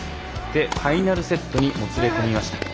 ファイナルセットにもつれ込みました。